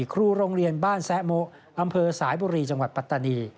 ครูโรงเรียนบ้านแซะโมอำเภอสายบุรีจังหวัดปัตตานี